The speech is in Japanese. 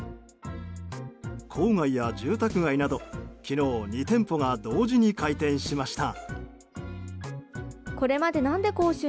郊外や住宅街など昨日２店舗が同時に開店しました。